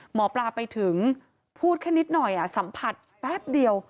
หมอปลาไปถึงพูดแค่นิดหน่อยสัมผัสแป๊บเดียว